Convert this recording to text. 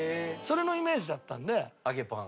それのイメージだったんで。